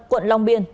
quận long biên